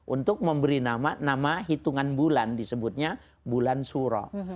untuk memberi nama hitungan bulan disebutnya bulan suro